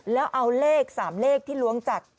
แล้วเอาเลข๓เลขที่ล้วงจาก